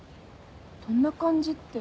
どんな感じって？